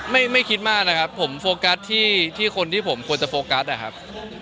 ไม่คิดมากนะครับผมโฟกัสที่คนที่ผมควรจะโฟกัสนะครับ